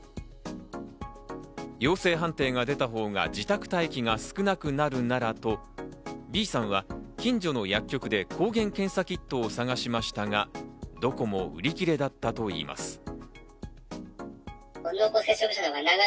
陽性判定が出たほうが自宅待機が少なくなるならとＢさんは近所の薬局で抗原検査キットを探しましたが、どこも売り切れだったといいます。